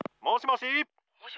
「もしもし？